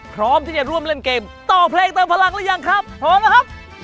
พร้อมที่จะร่วมเล่นเกมต่อเพลงเติมพลังหรือยังครับพร้อมแล้วครับ